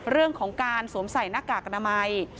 เรื่องของการสวมใส่หน้ากากอนามัย